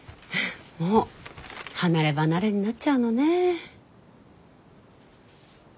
もう離れ離れになっちゃうのね。